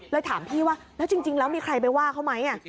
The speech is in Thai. ถามพี่ว่าแล้วจริงแล้วมีใครไปว่าเขาไหม